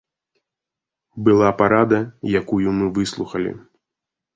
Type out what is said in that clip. Была парада, якую мы выслухалі.